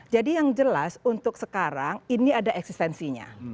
jadi yang jelas untuk sekarang ini ada eksistensinya